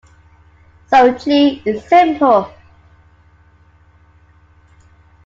So "G" is simple.